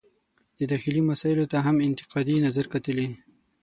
د داخلي مسایلو ته هم انتقادي نظر کتلي.